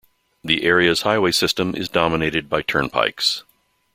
The area's highway system is dominated by turnpikes.